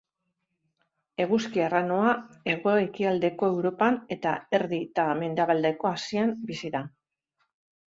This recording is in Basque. Eguzki-arranoa hego-ekialdeko Europan eta erdi eta mendebaldeko Asian bizi da.